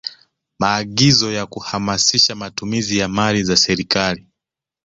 Maagizo ya kuhamasisha matumizi ya mali za serikali